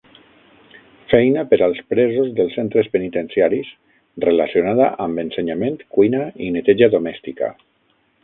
Feina per als presos dels centres penitenciaris relacionada amb ensenyament, cuina i neteja domèstica.